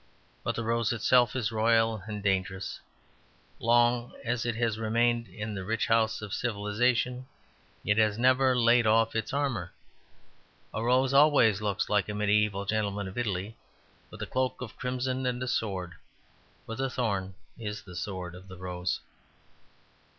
But the rose itself is royal and dangerous; long as it has remained in the rich house of civilization, it has never laid off its armour. A rose always looks like a mediaeval gentleman of Italy, with a cloak of crimson and a sword: for the thorn is the sword of the rose.